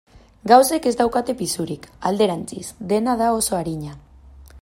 Gauzek ez daukate pisurik, alderantziz, dena da oso arina.